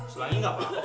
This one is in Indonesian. selangnya gak apa apa kok